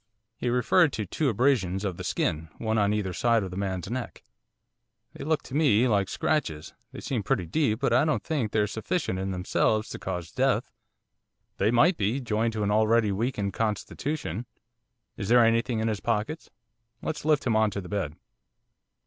He referred to two abrasions of the skin, one on either side of the man's neck. 'They look to me like scratches. They seem pretty deep, but I don't think they're sufficient in themselves to cause death.' 'They might be, joined to an already weakened constitution. Is there anything in his pockets? let's lift him on to the bed.